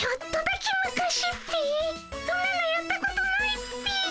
そんなのやったことないっピ。